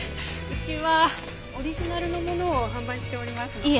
うちはオリジナルのものを販売しておりますの。